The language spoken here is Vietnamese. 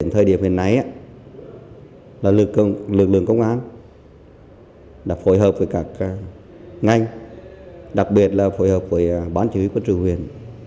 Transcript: thời điểm hồi nãy lực lượng công an đã phối hợp với các ngành đặc biệt là phối hợp với bán chủ yếu của trường huyện